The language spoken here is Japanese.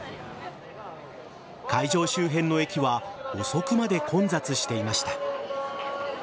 会場周辺の駅は遅くまで混雑していました。